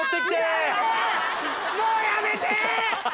もうやめて！